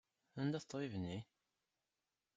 Anda-t ṭṭbib-nni?